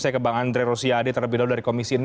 saya ke bang andre rosiade terlebih dahulu dari komisi enam